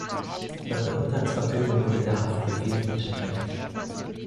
Nach der Urteilsverkündung wurde der Haftbefehl vollstreckt.